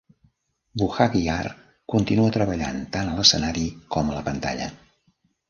Buhagiar continua treballant tant a l'escenari com a la pantalla.